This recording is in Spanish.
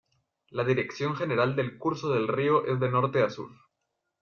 La dirección general del curso del río es de norte a sur.